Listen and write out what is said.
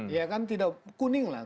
ya kan tidak kuning lah